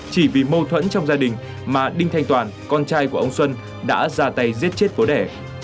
chỉ vì mâu thuẫn trong gia đình mà đinh thanh toàn con trai của ông xuân đã ra tay giết chết phố đẻ